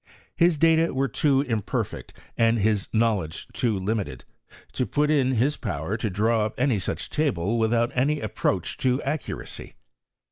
His data were too imperfect, and his knowledge too limited, to put it in his power to draw up any such table with any approach to accuracy.